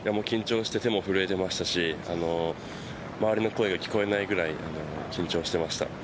緊張して手も震えてましたし周りの声が聞こえないくらいに緊張していました。